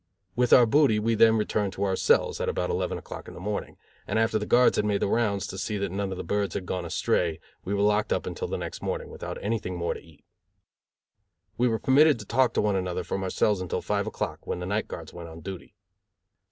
With our booty we then returned to our cells, at about eleven o'clock in the morning, and after the guards had made the rounds to see that none of the birds had gone astray, we were locked up until the next morning, without anything more to eat. We were permitted to talk to one another from our cells until five o'clock, when the night guards went on duty.